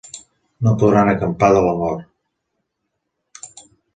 No podran acampar de la mort.